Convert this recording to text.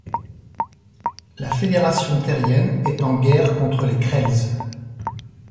La Fédération terrienne est en guerre contre les Krells.